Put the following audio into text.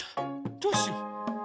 どうしよう？